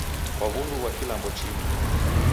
Kwa w'undu ghwa kilambo chimu?